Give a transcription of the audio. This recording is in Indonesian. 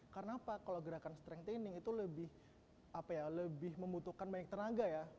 karena apa kalau gerakan strength training itu lebih membutuhkan banyak tenaga ya